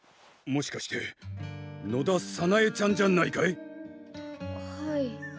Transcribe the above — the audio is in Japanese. もしかして野田早苗ちゃんじゃないかい？